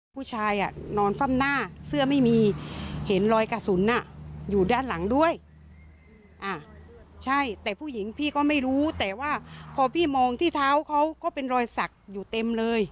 ผู้ชายนอนฟ่ำหน้าเสื้อไม่มีเห็นรอยกระสุนอยู่ด้านหลังด้วยใช่แต่ผู้หญิงพี่ก็ไม่รู้แต่ว่าพอพี่มองที่เท้าเขาก็เป็นรอยสักอยู่เต็มเลย